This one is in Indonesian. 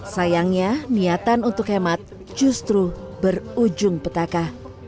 sayangnya niatan untuk hemat justru berujung petaka